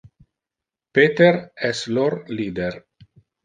Peter es lor leader.